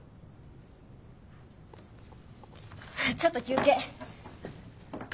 ちょっと休憩！